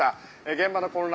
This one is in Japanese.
現場の混乱